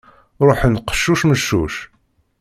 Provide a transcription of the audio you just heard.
Ruḥen qeccuc meccuc.